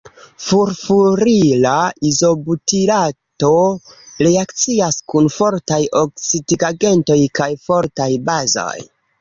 Furfurila izobutirato reakcias kun fortaj oksidigagentoj kaj fortaj bazoj.